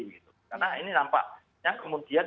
gitu karena ini nampaknya kemungkinan